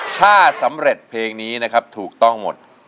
ถ้าสำเร็จเพลงนี้นะครับถูกต้องหมด